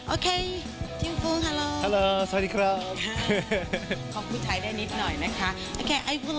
โอเคทิมฟุ้งฮัลโหล